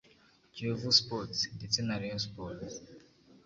Kiyovu Sports ndetse na Rayon Sports